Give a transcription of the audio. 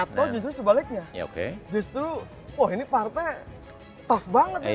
atau justru sebaliknya justru wah ini partai tough banget nih